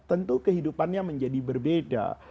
tentu kehidupannya menjadi berbeda